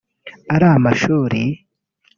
ari amashuri